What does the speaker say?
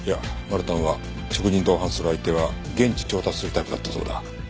マルタンは食事に同伴する相手は現地調達するタイプだったそうだ。